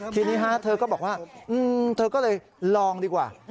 ทีนี้เธอก็บอกว่าเธอก็เลยลองดีกว่า